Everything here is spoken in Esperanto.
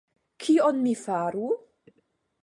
Kion mi faru?